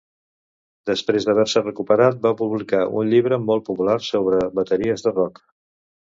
Després d'haver-se recuperat, va publicar un llibre molt popular sobre bateries de rock.